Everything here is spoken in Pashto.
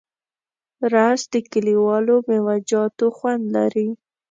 رس د کلیوالو میوهجاتو خوند لري